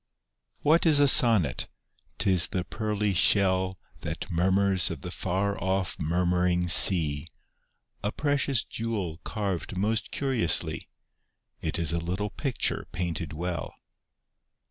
What is a sonnet ? T is the pearly shell That mormnrs of the f ar o£P murmuring sea ; A precious jewel carved most curiously ; It is a little picture painted well.